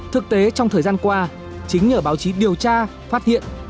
thực tế trong thời gian qua chính nhờ báo chí điều tra phát hiện